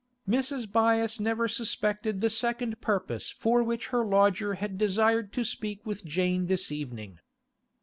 Mrs. Byass never suspected the second purpose for which her lodger had desired to speak with Jane this evening.